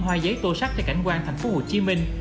hoa giấy tô sắc theo cảnh quan thành phố hồ chí minh